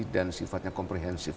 dan sifatnya komprehensif